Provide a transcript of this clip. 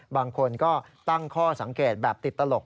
บางคนก็ตั้งข้อสังเกตแบบติดตลก